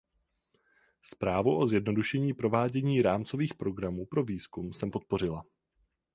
Zprávu o zjednodušení provádění rámcových programů pro výzkum jsem podpořila.